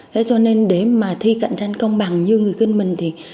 thế cho nên để mà thi cạnh tranh công bằng như người kinh mình thì